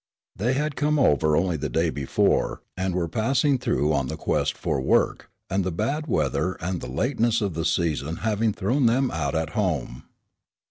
They had come over only the day before, and were passing through on the quest for work; the bad weather and the lateness of the season having thrown them out at home.